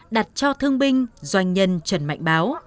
đặt cho thương binh doanh nhân trần mạnh báo